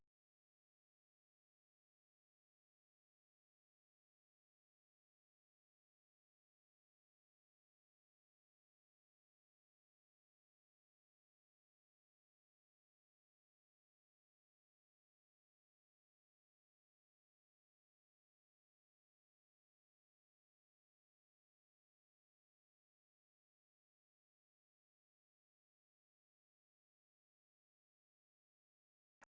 โปรดติดตามต่อไป